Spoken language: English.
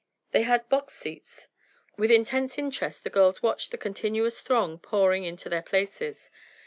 They had box seats. With intense interest the girls watched the continuous throng pouring into their places.